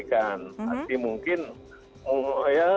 tidak jadi kita sampaikan